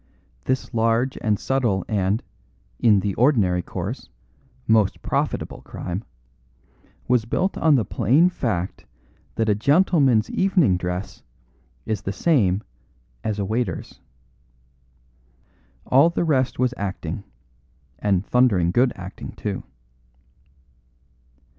This large and subtle and (in the ordinary course) most profitable crime, was built on the plain fact that a gentleman's evening dress is the same as a waiter's. All the rest was acting, and thundering good acting, too."